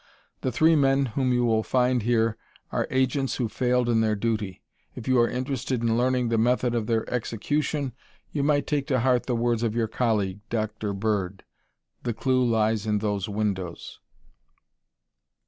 The three men whom you will find here are agents who failed in their duty. If you are interested in learning the method of their execution, you might take to heart the words of your colleague, Dr. Bird: 'The clue lies in those windows.'"